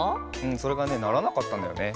んそれがねならなかったんだよね。